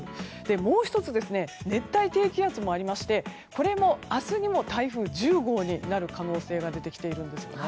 もう１つ熱帯低気圧もありましてこれも明日にも台風１０号になる可能性が出てきているんです。